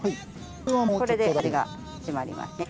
これで味が締まりますね。